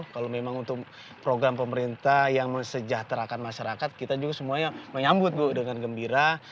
kalau memang untuk program pemerintah yang mesejahterakan masyarakat kita juga semuanya menyambut bu dengan gembira